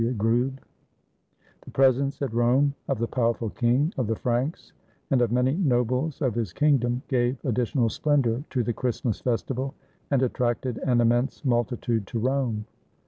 W. GRUBE The presence [at Rome] of the powerful King of the Franks, and of many nobles of his kingdom, gave addi tional splendor to the [Christmas] festival, and attracted an immense multitude to Rome.